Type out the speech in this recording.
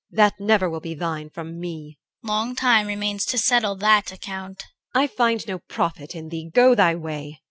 That never will be thine from me. CHR. Long time remains to settle that account. EL. I find no profit in thee. Go thy way.